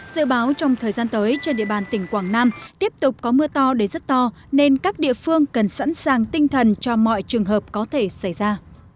dự báo trong thời gian tới trên địa bàn tỉnh quảng nam tiếp tục có mưa to đến rất to nên các địa phương cần sẵn sàng tinh thần cho mọi trường hợp có thể xảy ra